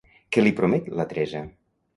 Què li promet la Teresa?